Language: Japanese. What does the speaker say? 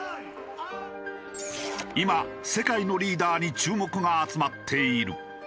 今世界のリーダーに注目が集まっている。